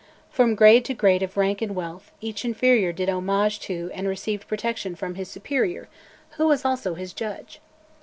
From grade to grade of rank and wealth each inferior did homage to and received protection from his superior, who was also his judge.